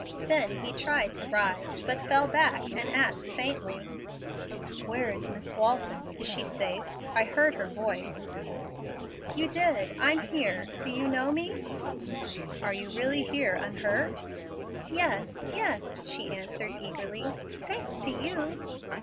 Then he tried to rise, but fell back, and asked, faintly, "Where is Miss Walton? Is she safe? I heard her voice." "You did. I'm here. Don't you know me?" "Are you really here unhurt?" "Yes, yes," she answered, eagerly; "thanks to you."